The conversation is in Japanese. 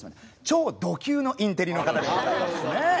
超ド級のインテリの方でございますね。